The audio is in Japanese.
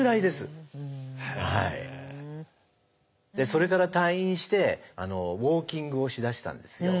それから退院してウォーキングをしだしたんですよ。